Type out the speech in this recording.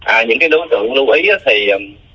à những cái đối tượng lưu ý á thì